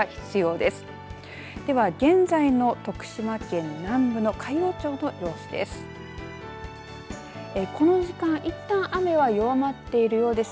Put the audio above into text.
では現在の徳島県南部の海陽町の様子です。